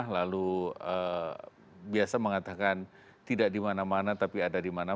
lalu biasa mengatakan tidak dimana mana tapi ada dimana mana